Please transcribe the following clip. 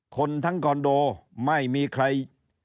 คนทั้งคอนโดไม่มีใคร